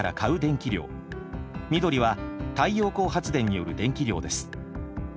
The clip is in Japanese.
緑は太陽光発電による電気量です。